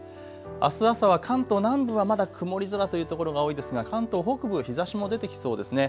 あす朝は関東南部はまだ曇り空というところが多いですが関東北部、日ざしも出てきそうですね。